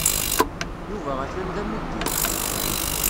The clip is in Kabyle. Yuba atan d amuddir.